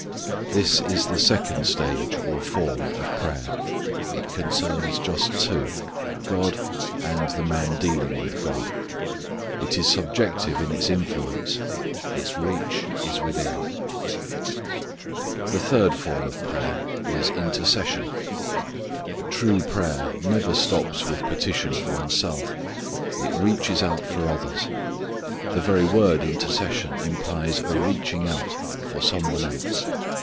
This is the second stage or form of prayer. It concerns just two: God and the man dealing with God. It is subjective in its influence: its reach is within. The third form of prayer is intercession. True prayer never stops with petition for one's self. It reaches out for others. The very word intercession implies a reaching out for some one else.